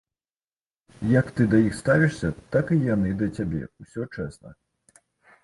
Як ты да іх ставішся, так і яны да цябе, усё чэсна.